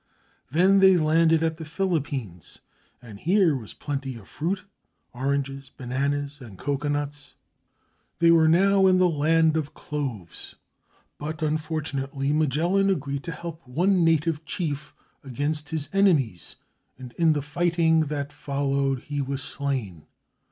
Then they landed at the Philippines, and here was plenty of fruit, — oranges, bananas, and cocoa nuts. They were now in the land of cloves, but unfortu nately Magellan agreed to help one native chief against his enemies, and in the fighting that followed, he was slain.